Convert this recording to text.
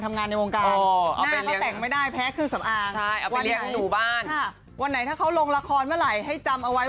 ทุกวันนะผม